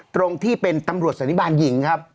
ตรงที่เป็นตำรวจสันนิบาลหญิงครับ